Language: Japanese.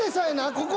ここ。